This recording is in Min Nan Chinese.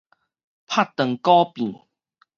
拍斷鼓柄